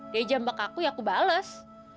dia jembek aku ya aku bales